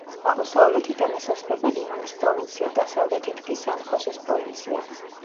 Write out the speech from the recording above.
აღმოსავლეთიდან ესაზღვრება ლიმონის პროვინცია, დასავლეთით კი სან-ხოსეს პროვინცია.